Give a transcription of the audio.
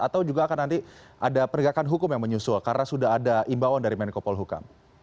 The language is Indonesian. atau juga akan nanti ada penegakan hukum yang menyusul karena sudah ada imbauan dari menko polhukam